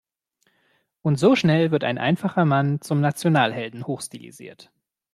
Und so schnell wird ein einfacher Mann zum Nationalhelden hochstilisiert.